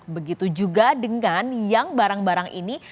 begitu juga dengan yang barang barang ini